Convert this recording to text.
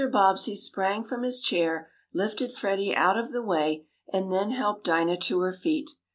Bobbsey sprang from his chair, lifted Freddie out of the way, and then helped Dinah to her feet.